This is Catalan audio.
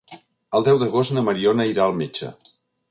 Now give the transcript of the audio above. El deu d'agost na Mariona irà al metge.